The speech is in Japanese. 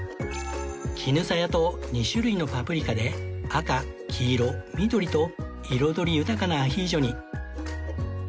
キヌサヤと２種類のパプリカで赤黄色緑と彩り豊かなアヒージョに